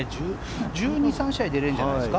１２１３試合出れるんじゃないですか？